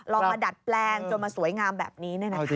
ลองมาดัดแปลงจนมาสวยงามแบบนี้แน่นอนครับ